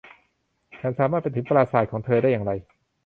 ฉันสามารถไปถึงปราสาทของเธอได้อย่างไร